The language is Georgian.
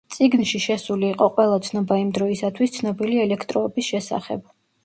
წიგნში შესული იყო ყველა ცნობა იმდროისათვის ცნობილი ელექტროობის შესახებ.